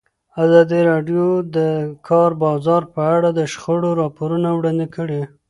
ازادي راډیو د د کار بازار په اړه د شخړو راپورونه وړاندې کړي.